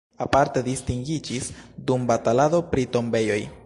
Aparte distingiĝis dum batalado pri tombejoj.